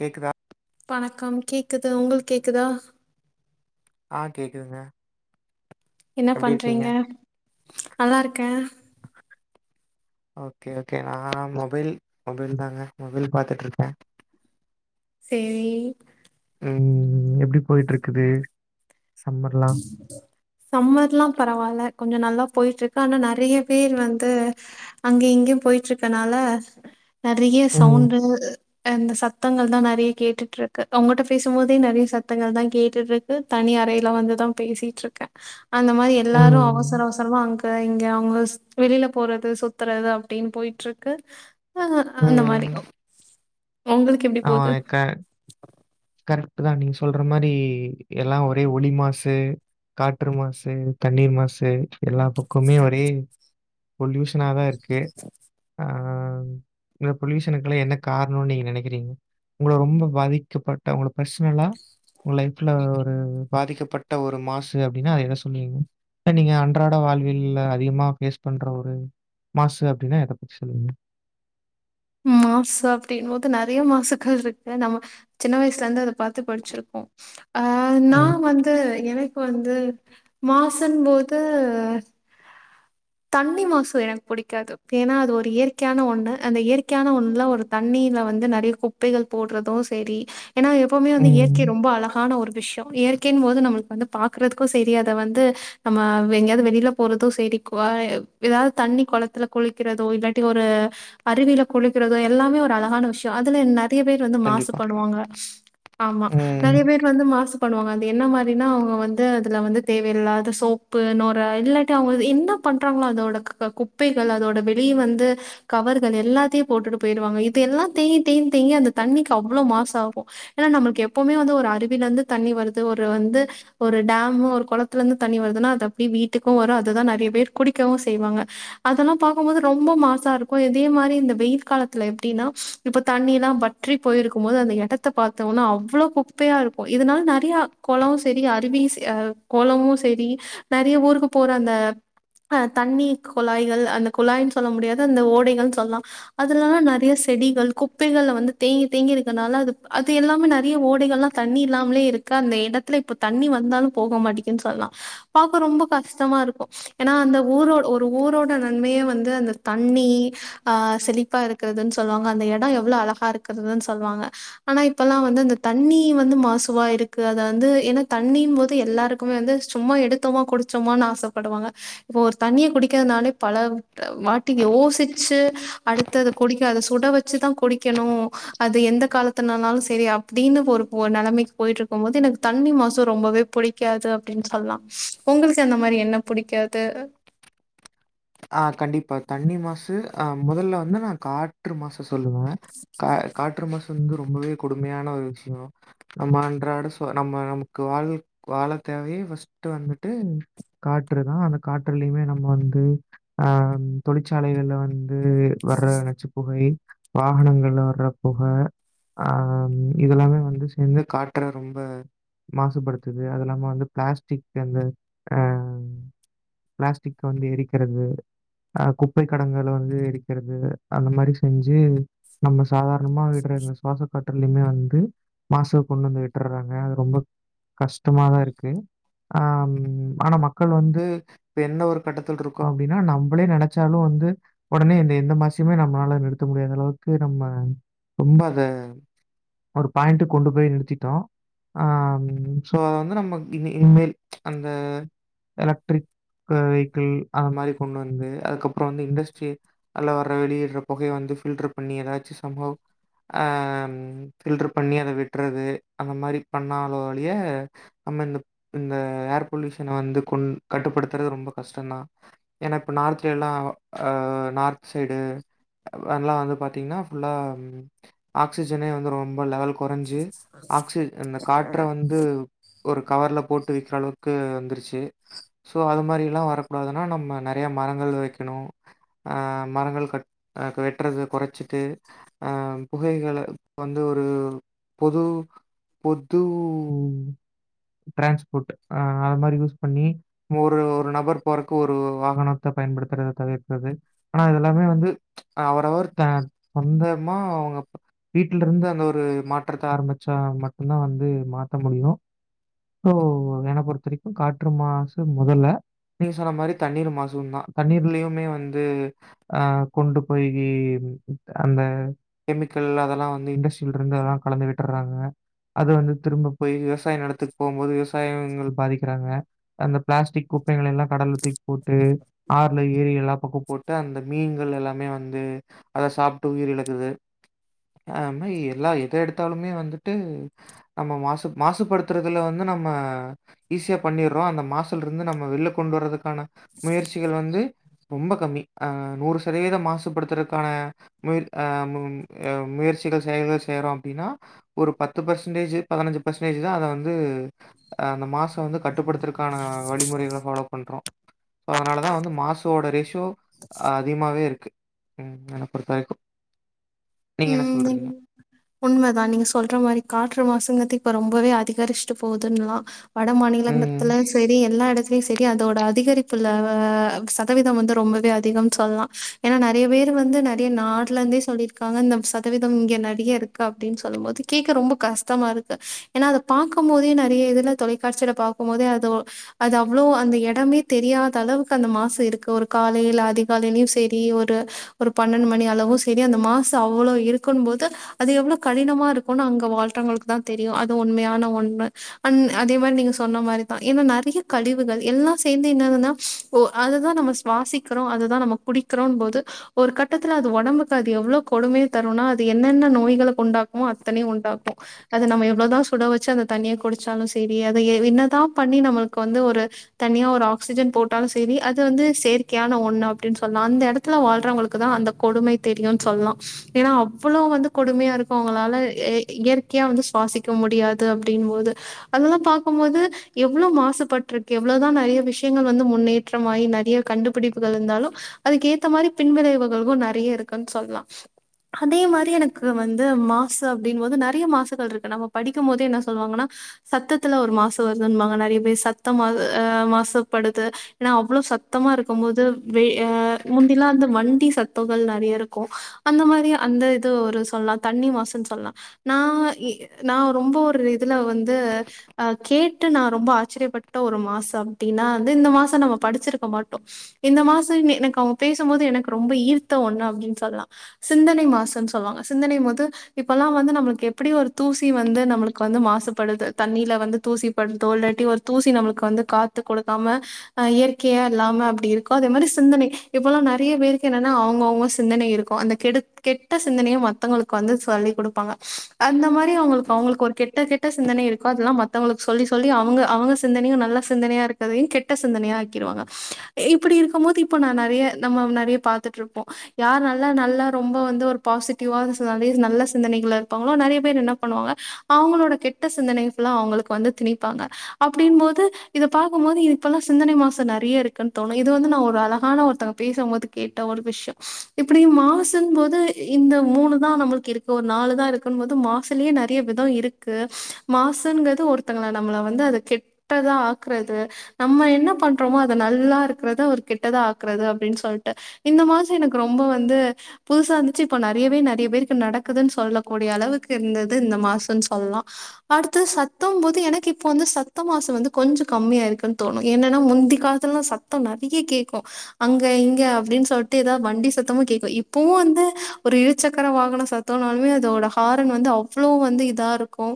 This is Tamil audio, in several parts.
கேக்குதா வணக்கம் கேக்குது உங்களுக் கேக்குதா ஆ கேக்குதுங்க என்ன எப்டி பண்றீங்க இருக்கீங்க நல்லாருக்கேன் ஓக்கே ஓக்கே நா மொபைல் மொபைல் தாங்க மொபைல் பாத்துட்ருக்கே சேரி உம் எப்பிடி போயிட்ருக்குது சம்மர்லா சம்மர்ல்லா பரவால்ல கொஞ்சொ நல்லா போயிட்ருக்கு ஆனா நெறைய பேர் வந்து அங்க இங்யு போயிட்ருக்கனால நெறைய ம் சவுண்டு அந்த சத்தங்கள் தா நெறைய கேட்டுட்ருக்கு உங்கள்ட்ட பேசும் போதே நெறைய சத்தங்கள் தா கேட்டுட்ருக்கு தனி அறைல வந்து தா பேசிட்ருக்க அந்த மாரி எல்லாரு ம் அவசர அவசரமா அங் க இங்க அவுங்கஸ் வெளில போறது சுத்தறது அப்புடின் போயிட்ருக்கு அ‌ஹ அந்த மாரி ம் ஒ ஒங்களுக்கு எப்பிடி போது கரெக்ட்டு தா நீங்க சொல்ற மாரி எல்லா ஒரே ஒளி மாசு காற்று மாசு தண்ணீர் மாசு எல்லா பக்கமே ஒரே பொல்யூஷ னா தா‌ இருக்கு ஆ ஆ இந்த பொல்யூஷனுக்கெல்லா என்ன காரணனு நீங்க நெனைக்கறிங்க உங்கள ரொம்ப பாதிக்கப்பட் ட உங்க பர்சனலா உங்க லைஃப்ல ஒரு பாதிக்கப்பட்ட ஒரு மாசு அப்பிடின்னா எத சொல்லுவீங்க நீங்க அன்றாட வாழ்வியல்ல அதிகமா ஃபேஸ் பண்ற ஒரு மாசு அப்படின்னா எத பத்தி சொல்லுவீங்க மாசு அப்பிடின் போது நறைய மாசுக்கள் இருக்கு நம்ம சின்ன வயசுல இருந்து அதை பாத்து படிச்சிருக்கோ ஆஹ் நா ம், வந்து என வந்து மாசுன் போது தண்ணி மாசு எனக்கு பிடிக்காது ஏனா அது ஒரு இயற்கையான ஒண்ணு அந்த இயற்கையான ஒண்ல ஒரு தண்ணீல வந்து நெறைய குப்பைகள் போட்றதூ செரி ஏனா எப்பவுமே வந்து இயற்கை ம். ரொம்ப அழகான ஒரு விஷ்யொ இயற்கைன் போது நம்மளுக்கு வந்து பாக்குறதுக்கு செரி அத வந்து நம்ம எங்கயாவது வெளியில போறதூ சேரி குவாய் ஏதாவது தண்ணி கொளத்துல குளிக்கிறதோ இல்லாட்டி ஒரு அருவியில குளிக்கிறதோ எல்லாமே ஒரு அழகான விஷ்யொ அதுல ந நெறையா பேர் வந்து கண்டிப்பா. மாசுபடுவாங்க ஆமா ம். நெறையா பேர் வந்து மாசு பண்ணுவாங்க அது என்ன மாரினா அவங்க வந்து அதுல வந்து தேவையில்லாத சோப்பு நொர இல்லாட்டி அவங்கது என்ன பண்றாங்களோ அதோட க குப்பைகள் அதோட வெளியெ வந்து கவர்கள் எல்லாத்தையு போட்டுட்டு பொயிடுவாங்க இது எல்லா தேய் தேய்னு தேங்கி அந்த தண்ணிக்கு அவ்ளொ மாசு ஆகு ஏனா நம்மளுக்கு எப்பவுமே வந்து ஒரு அருவிலந்து தண்ணி வருது ஒரு வந்து ஒரு டேம்மு ஒரு கொளத்துலந்து தண்ணி வருதுன்னா அது அப்டீ வீட்டுக்கு வரு அதுதா நெறைய பேர் குடிக்கவு செய்வாங்க அதுலா பாக்கும்போது ரொம்ப மாசா இருக்கு எதே மாரி இந்த வெயில் காலத்ல எப்டின்னா இப்ப தண்ணி எல்லா வற்றி போயிருக்கும் போது அந்த எடத்த பாத்தோனா அவ்ளோ குப்பையா இருக்கு இதனால நெறையா கொளோ செரி அருவீஸ் அஹ் கொளமு செரி நெறைய ஊருக்கு போற அந்த அஹ் தண்ணி குழாய்கள் அந்த குழாய்ன்னு சொல்ல முடியாது அந்த ஓடைகள்னு சொல்லலா அதுலல்லா நெறைய செடிகள் குப்பைகள்ல வந்து தேங்கி தேங்கிருக்கனால அது அது எல்லாமே நிறைய ஓடைகள்லா தண்ணி இல்லாமலே இருக்கு அந்த இடத்துல இப்ப தண்ணி வந்தாலு போக மாட்டேக்குன் சொல்லா பாக்க ரொம்ப கஷ்டமா இருக்கு ஏன்னா அந்த ஊரோ ஒரு ஊரோட நன்மையே வந்து அந்த தண்ணி ஆஹ் செழிப்பா இருக்கிறதுன்னு சொல்லுவாங்க அந்த எடொ எவ்ளோ அழகா இருக்கிறதுன் சொல்லுவாங்க ஆனா இப்பலா வந்து அந்த தண்ணி வந்து மாசுவா இருக்கு அத வந்து ஏனா தண்ணின் போது எல்லாருக்குமே வந்து சும்மா எடுத்தோமா குடிச்சோமான் ஆசப்படுவாங்க இப்போ ஒரு தண்ணிய குடிக்கிறதுனாலே பல வாட்டி யோசிச்சு அடுத்தது குடிக்க சுட வச்சுதா குடிக்கணு அது எந்த காலத்துனனாலு செரி அப்டின்னு ஒ ஒரு நெலமைக்கு பொயிட்டுருக்கும் போது எனக்கு தண்ணி மாசு ரொம்பவே புடிக்காது அப்டின் சொல்லலா உங்களுக்கு அந்த மாதிரி என்ன புடிக்காத் து ஆஹ் கண்டிப்பா தண்ணி மாசு ஆஹ் முதல்ல வந்து நா காற்று மாச சொ சொல்லுவே கா காற்று மாச வந்து ரொம்பவே கொடுமையான ஒரு விஷயோ நம்ம அன்றாட சொ நம்ம நமக்கு வாழ் வாழ தேவைய ஃபஸ்ட்டு வந்துட்டு காற்று தா அந்த காற்றுலுயுமே நம்ம வந்து ஆ தொழிற்சாலைகள்ல வந்து வர்ற நச்சுப்புகை வாகனங்கள்ல வர்ற புக ஆ இதுல்லாமே வந்து சேந்து காற்ற ரொம்ப மாசுபடுத்துது அதுல்லாம வந்து பிளாஸ்டிக் அந்த ஆ பிளாஸ்டிக் வந்து எரிக்கிறது ஆ குப்பை கடங்கல வந்து எரிக்கறது அந்த மாரி செஞ்சு நம்ம சாதாரணமா விட்ற அந்த சுவாச கா லுமே வந்து மாசுவ கொண்டு வந்து விட்டுறாங்க அது ரொம்ப கஷ்டமாதாருக்கு ஆ ஆனா மக்கள் வந்து இப்ப எந்த ஒரு கட்டதுல இருக்கோ அப்டின்னா நம்ளே நெனச்சாலு வந்து ஒடனே இந்த எந்த மாசியுமே நம்ளால நிறுத்த முடியாதளவுக்கு நம்ம ரொம்ப அத ஒரு பாயிண்ட்டுக்கு கொண்டு போய் நிறுத்திட்டோ ஆ சோ அத வந்து நம்ம இனிமேல் அந்த எலக்ட்ரிக் வெக்கிள் அத மாரி கொண்டு வந்து அதுக்கப்புற வந்து இண்டஸ்ட்ரியல் அதுல வர்ர வெளியிட்ற பொகைய வந்து ஃபில்டர் பண்ணி எதாச்சு சம்பவ ஆ ஃபில்டர் பண்ணி அத விட்றது அந்த மாரி பண்ணா ஒழிய நம்ம இந்த இந்த ஏர் பொல்யூஷனை வந்து கொண் கட்டுப்படுத்துறது ரொம்ப கஷ்ட தா ஏனா இப்ப நார்த்து எல்லா நார்த் சைடு எல்லா வந்து பாத்தீங்கன்னா ஃபுல்லா ஆக்சிஜனே வந்து ரொம்ப லெவல் கொறஞ்சு ஆக்சி இந்த காற்ற வந்து ஒரு கவர்ல போட்டு விக்கிற அளவுக்கு வந்துருச்சு சோ அது மாரிலா வர குடாதுனா நம்ம நெறையா மரங்கள் வைக்கணு ஆ மரங்கள் க வெட்றது கொறச்சிட்டு ஆ புகைகள வந்து ஒரு பொது பொது ட்ரான்ஸ்போர்ட் ஆ அமாரி யூஸ் பண்ணி ஒரு ஒரு நபர் தருக்கு ஒரு வாகனத்த பயன்படுத்துறத தவிர்க்கறது ஆனா இதெல்லாமே வந்து அவரவர் த சொந்தமா அவங்க வீட்லருந்து அந்த ஒரு மாற்றத்த ஆரம்பிச்சா மட்டு தா வந்து மாத்த முடியு சோ என்ன பொறுத்த வரைக்கு காற்று மாசு மொதல்ல நீங்க சொன்ன மாரி தண்ணீர் மாசும் தா தண்ணீர்லயுமே வந்து ஆ கொண்டு போய் அந்த கெமிக்கல் அதெல்லா வந்து இண்டஸ்ட்ரிலருந்து அதெல்லா கலந்து விட்டுறாங்க அது வந்து திரும்ப போய் விவசாய நிலத்துக்கு போம்போது விவசாயிங்கள் பாதிக்கிறாங்க அந்த பிளாஸ்டிக் கு குப்பைகலெல்லா கடல்ல தூக்கி போட்டு ஆறுல ஏரிலா குப்ப போட்டு அந்த மீன்கள் எல்லாமே வந்து அத சாப்ட்டு உயிர் இழக்குது [unintelligible] எல்லா எத எடுத்தாலுமே வந்துட்டு நம்ம மாசு மாசுபடுத்துறதுல வந்து நம்ம ஈஸியா பண்ணிடுறோ அந்த மாசலருந்து நம்ம வெல்ல கொண்டு வரதுக்கு க்கான முயற்சிகள் வந்து ரொம்ப கம்மி ஆ நூறு சதவீதம் மாசுபடுத்துறக்கான முய ஆ [unintelligible] முயற்சிகள் செயல்க செய்யறோ அப்டின்னா ஒரு பத்து பர்சன்டேஜ் பதினஞ்சு பர்சன்டேஜ் தா அத வந்து அந்த மாசம் வந்து கட்டுப்படுத்துறக்கான வழிமுறை கள ஃபாலோ பண்றோ அதனாலதா வந்து மாசோட ரேஷியோ அதிகமாவேருக்கு ம் ம் அப்டித்தா [unintelligible] ம் நீங் உண்மதா நீங்க சொல்ற மாரி காற்று மாசுங்றது இப்ப ரொம்பவே அதி அதிகரிச்ட்டு போதுன்லா வட ம். மாநிலங்கத்துல சேரி எல்லா எடத்துலயு சேரி அதோட அதிகரிப்புல ஆ சதவீத வந்து ரொம்பவே அதிகம்ன் சொல்லா ஏனா நெறைய பேரு வந்து நெறைய நாட்லந்தே சொல்லிருக் [unintelligible] சதவீதம் இங்க நெறயருக்கு அப்டின்னு சொல்லும் போது கேக்க ரொம்ப கஷ்டமாருக்கு ஏனா அத பாக்கும் போதே நெறய இதுல தொலைக்காட்சில பாக்கு போதே அதோ அது அவ்ளோ அந்த எடமே தெரியாத அளவுக்கு அந்த மாசு இருக்கு ஒரு காலை அதிகாலையு சேரி ஒரு ஒரு பன்னெண்டு மணி அளவு செரி அந்த மாசு அவ்ளோ இருக்குன்போது அது எவ்ளோ கடினமாருக்கு ஒண்ணு அங்க வாழ்தங்களுக்கு அதா தெரியு அது உண்மையான ஒண்ணு அந் அதே மாரி நீங்க சொன்ன மாரிதா ஏனா நெறய கழிவுகள் எல்லா சேந்து என்னாதுன்னா ஓ அதுதா நம்ம சுவாசிக்கிறோ அதுதா நம்ம குடிக்கிறோன் போது ஒரு கட்டத்துல அது ஒடம்புக்கு அது எவ்ளோ கொடுமைய தருனா அது என்னென்ன நோய்கள உண்டாக்குமோ அத்தனயு உண்டாக்கு அது நம்ம எவ்ளோதா சுட வச்சு அந்த தண்ணிய குடிச்சாலு சேரி அத ஏ என்னதா பண்ணி நம்முளுக்கு வந்து ஒரு தனியா ஒரு ஆக்சிஜன் போட்டாலு சேரி அது வந்து செயற்கையான ஒண்ணு அப்டின்னு சொல்லா அந்த எடத்துல வாழ்றவங்களுக்கு தா அந்த கொடுமை தெரியுனு சொல்லா ஏனா அவ்ளோ வந்து கொடுமையாருக்கு அவங்களால இ இயற்கையா வந்து சுவாசிக்க முடியாது அப்டின் போது அதெல்லா பாக்கும்போது எவ்ளோ மாசுபட்டுருக்கு எவ்ளோதா நெறய விஷயங்கள் வந்து முன்னேற்றமாயி நெறய கண்டுபிடிப்புகள் இருந்தாலு அதுக்கு ஏத்த மாரி பின்விளைவுகளும் நெறய இருக்குன் சொல்லலா அதே மாரி எனக்கு வந்து மாசு அப்டின்போது நெறய மாசுகள்ருக்கு நம்ம படிக்கு போதே என்ன சொல்லுவாங்கனா சத்தத்துல ஒரு மாசு வருதுன்வாங்க நெறய பேர் சத்த மா ஆ மாசுப்படுது ஏனா அவ்ளோ சத்தமாருக்கும் போது வெ ஆ முந்திலா அந்த வண்டி சத்தங்கள் நெறயருக்கு அந்த மாரி அந்த இது ஒரு சொல்லா அது தண்ணி மாசுன்னு சொல்லா நா ஏ நா ரொம்ப ஒரு இதுல வந்து ஆ கேட்டு நா ரொம்ப ஆச்சரியப்பட்ட ஒரு மாசு அப்டின்னா வந்து இந்த மாசு நம்ம படிச்சிருக்க மாட்டோ இந்த மாசு எனக்கு அவ பேசும்போது எனக்கு ரொம்ப ஈர்த்த ஒண்ணு அப்டின்னு சொல்லா சிந்தனை மாசுன் சொல்வாங்க சிந்தனை போது இப்பெல்லா வந்து நம்ளுக்கு எப்டி ஒரு தூசி வந்து நம்ளுக்கு வந்து மாசுபடுது தண்ணீல வந்து தூசிபடுதோ இல்லாட்டி ஒரு தூசி நம்ளுக்கு வந்து காத்து குடுக்காம ஆ இயற்கையா இல்லாம அப்டி இருக்கோ அதே மாரி சிந்தனை இப்பெல்லா நறைய பேருக்கு என்னனா அவங்கவுங்க சிந்தனை இருக்கு அந்த கெடுத் கெட்ட சிந்தனையு மத்தங்களுக்கு வந்து சொல்லி குடுப்பாங்க அந்த மாரி அவங்களுக்கு அவங்களுக்கு ஒரு கெட்ட கெட்ட சிந்தனை இருக்கோ அதெல்லா மத்தவங்களுக்கு சொல்லி சொல்லி அவங்க அவங்க சிந்தனையு நல்ல சிந்தனையா இருக்கதயு கெட்ட சிந்தனையா ஆக்கிருவாங்க இப்டி இருக்க போது இப்ப நா நெறய நம்ம நெறய பாத்துட்ருப்போ யார்னால நல்லா நல்லா ரொம்ப வந்து ஒரு பாசிட்டிவா ஆல்வேஷ் நல்ல சிந்தனைகள்ள இருப்பாங்களோ நெறய பேர் என்ன பண்ணுவாங்க அவங்களோட கெட்ட சிந்தனை ஃபுல்லா அவங்களுக்கு வந்து திணிப்பாங்க அப்டின்போது இத பாக்கும் போது இப்பெல்லா சிந்தனை மாசு நெறய இருக்குன்னு தோணு இது வந்து நான் ஒரு அழகான ஒருத்தவங்க பேசும்போது கேட்ட ஒரு விஷ்யொ இப்டி மாசுன்போது இந்த மூணுதா நம்மளுக்கு இருக்கு ஒரு நாலுதா இருக்குன் போது மாசுலயே நெறய விதொ இருக்கு மாசுன்கது ஒருத்தங்கள நம்மள வந்து அது கெட்டதா ஆக்றது நம்ம என்ன பண்றோமோ அத நல்லா இருக்கறத ஒரு கெட்டதா ஆக்றது அப்டின் சொல்ட்டு இந்த மாதி எனக்கு ரொம்ப வந்து புதுசா இருந்துச்சு இப்ப நெறையவே நெறைய பேருக்கு நடக்குதுன்னு சொல்லக்கூடிய அளவுக்கு இருந்தது இந்த மாசுன் சொல்லலா அடுத்து சத்தம் போது எனக்கு இப்ப வந்து சத்த மாசு வந்து கொஞ்ச கம்மியாய்ருக்குன் தோணு என்னனா முந்தி காலத்துலல்லா சத்தொ நெறைய கேக்கு அங்க இங்க அப்டின் சொல்ட்டு எதா வண்டி சத்தமு கேக்கு இப்பவு வந்து ஒரு இருசக்கர வாகனொ சத்தொனாலுமே அதோட ஹாரன் வந்து அவ்ளோ வந்து இதா இருக்கு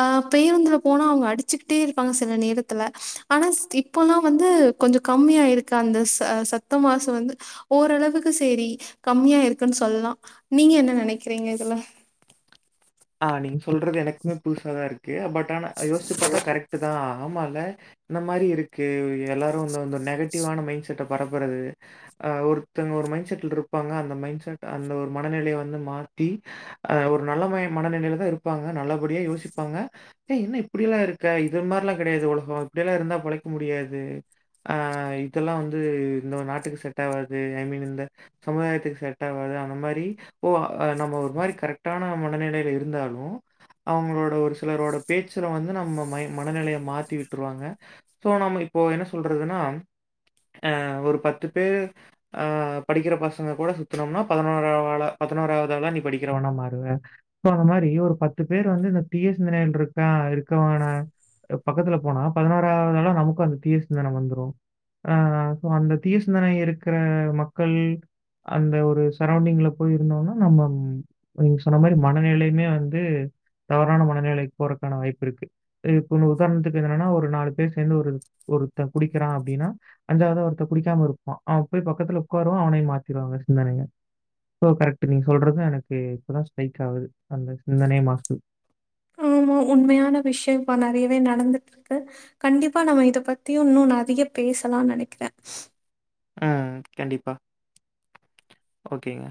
ஆ பேருந்துல போனா அவங்க அடிச்சிக்கிட்டே இருப்பாங்க சில நேரத்துல ஆனா இப்பெல்லா வந்து கொஞ்சொ கம்மியாயிருக்கு அந்த ச சத்த மாசு வந்து ஓரளவுக் கு சேரி கம்மியாய்ருக்குன் சொல்லா நீங்க என்ன நெனைக்றிங்க இதுல ஆ நீங்க சொல்றது எனக்குமே புதுசாதா இருக்கு கு பட் ஆனா யோஸ்ச்சி பாத்தா கரெக்ட்டு தா ஆமால இந்த மாரி இருக்கு எல்லாரு இந்த இந்த நெகட்டிவ்வான மைண்ட் செட்ட பரப்புறது ஆ ஒருத்தங்க ஒரு மைண்ட செட்ல இருப்பாங்க அந்த மைண்ட செட் அந்த ஒரு மனநிலைய வந்து மாத்தி ஆ ஒரு நல்ல மயம் மனநிலையில தா இருப்பாங்க நல்லபடியா யோசிப்பாங்க ஏ என்ன இப்படியெல்லா இருக்க இது மாரிலா கெடையாது உலகோ இப்படியெல்லா இருந்தா பொழைக்க முடியாது ஆ இதெல்லா வந்து இந்த நாட்டுக்கு செட் ஆவாது ஐ மீன் இந்த சமுதாயத்துக்கு செட் ஆவாது அந்த மாதிரி ஓ ஆ நம்ம ஒரு மாரி கரெக்டான ம் மனநிலை இருந்தாலு அவங்களோட ஒரு சிலரோட பேச்சுல வந்து நம்ம மை மனநிலையை மாத்தி விட்டுருவாங்க சோ நம்ம இப்போ என்ன சொல்றதுன்னா ஆ ஒரு பத்து பேர் ஆ படிக்கிற பசங்க கூட சுத்தனோம்னா பதினோராவாளா பதினோராவது ஆள நீ படிக்கிறவன்னா மாறுவ தகுந்த மாரி ஒரு பத்து பேர் வந்து இந்த தீய சிந்தனைகள் இருக்கா இருக்கவன பக்கத்துல போனா பதினோராவது ஆள நமக்கும் அந்த தீய சிந்தனை வந்துரும ஆ சோ அந்த தீய சிந்தனை இருக்கிற மக்கள் அந்த ஒரு சரௌண்டிங்ல போய் இருந்தோனா நம்ம நீங்க சொன்ன மாரி மனநிலையுமே வந்து தவறான மனநிலைக்கு போறக்கான வாய்ப்பு இருக்கு இப்ப உதாரணத்துக்கு என்னன்னா ஒரு நாலு பேர் சேர்ந்து ஒரு ஒருத்த குடிக்கிறா அப்டின்னா அஞ்சாவத ஒருத்த குடிக்காம இருப்பான் அவன் போய் பக்கத்துல உட்காருவ அவனயு மாத்திருவாங்க சிந்தனைய சோ கரெக் நீங்க சொல்றது எனக்கு இப்பதா ஸ்ட்ரைக் ஆவுது அந்த சிந்தனை மாதி ஆமா உண்மையான விஷய இப்ப நெறயவே நடந்துட்டு இருக்கு கண்டிப்பா நம்ம இத பத்தியும் இன்னும் அதிக பேசலா நெனைக்கிறே ஆ கண்டிப்பா ஓகேங்க